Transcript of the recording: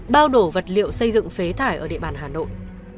bao đổ vật liệu xây dựng phế thải ở địa bàn hà nội